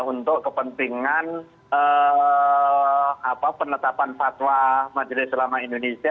untuk kepentingan penetapan fatwa majelis ulama indonesia